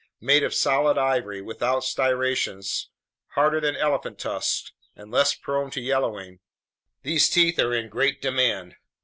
Made of solid ivory, without striations, harder than elephant tusks, and less prone to yellowing, these teeth are in great demand.